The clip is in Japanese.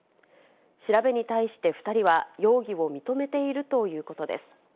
調べに対して２人は、容疑を認めているということです。